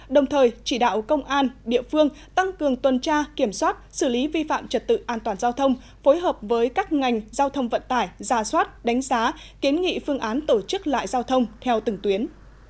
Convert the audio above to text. đồng thời chỉ đạo công an địa phương tăng cường tuần tra kiểm soát xử lý vi phạm trật tự an toàn giao thông phối hợp với các ngành giao thông vận tải giả soát đánh giá kiến nghị phương án tổ chức lại giao thông theo từng tuyến